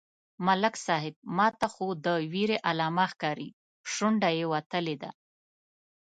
_ملک صيب! ماته خو د وېرې علامه ښکاري، شونډه يې وتلې ده.